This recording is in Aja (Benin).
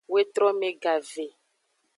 Wetrome gave.